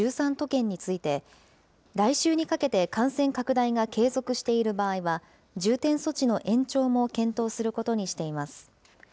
都県について、来週にかけて感染拡大が継続している場合は、重点措置の延長も検討することにしています。